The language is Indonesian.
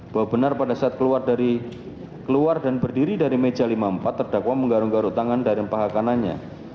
bahwa benar pada saat keluar dan berdiri dari meja lima puluh empat terdakwa menggarung garut tangan dari paha kanannya